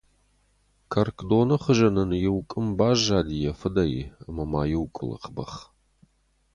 Кӕркдоны хуызӕн ын иу къуым баззади йӕ фыдӕй ӕмӕ ма иу къуылых бӕх.